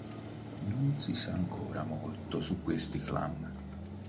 Non si sa ancora molto su questi clan.